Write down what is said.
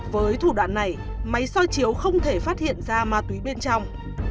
với thủ đoạn này máy soi chiếu không thể phát hiện ra ma túy bên trong